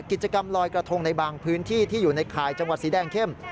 กิจกรรมลอยกระทงในบางพื้นที่ที่อยู่ในข่ายจังหวัดสีแดงเข้ม